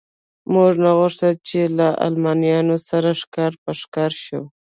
موږ نه غوښتل له المانیانو سره ښکر په ښکر شو.